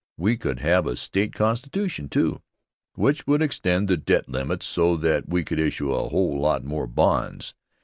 We could have a state constitution, too, which would extend the debt limit so that we could issue a whole lot more bonds.